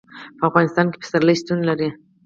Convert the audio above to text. په افغانستان کې پسرلی شتون لري.